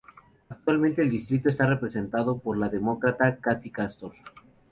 Actualmente el distrito está representado por la Demócrata Kathy Castor.